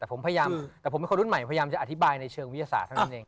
แต่ผมพยายามแต่ผมเป็นคนรุ่นใหม่พยายามจะอธิบายในเชิงวิทยาศาสตร์เท่านั้นเอง